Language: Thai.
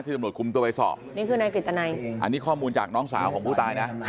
ตำรวจคุมตัวไปสอบนี่คือนายกฤตนัยอันนี้ข้อมูลจากน้องสาวของผู้ตายนะ